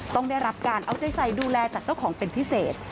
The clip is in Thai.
ต้องได้รับการเอาใจใส่ดูแลจากเจ้าของเป็นพิเศษ